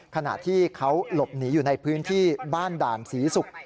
ขณะที่เขาหลบหนีอยู่ในพื้นที่บ้านด่านศรีศุกร์